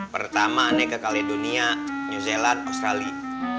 pertamanya ke kaledonia new zealand australia